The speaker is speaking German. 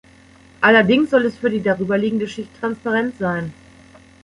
Allerdings soll es für die darüberliegende Schicht transparent sein.